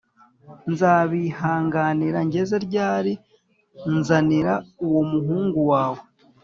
Nzabihanganira ngeze ryari Nzanira uwo muhungu wawe